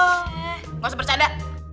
eh gak usah bercanda